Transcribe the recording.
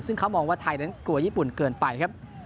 เพราะว่าไทยนั้นกลัวญี่ปุ่นเกินไปนะครับ